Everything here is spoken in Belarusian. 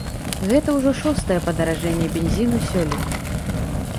Гэта ўжо шостае падаражэнне бензіну сёлета.